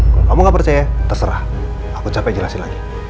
kalau kamu gak percaya terserah aku capek jelasin lagi